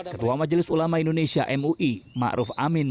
ketua majelis ulama indonesia mui ma'ruf amin